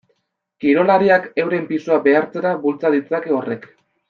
Kirolariak euren pisua behartzera bultza ditzake horrek.